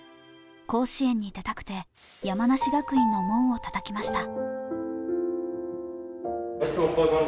甲子園に出たくて、山梨学院の門をたたきました。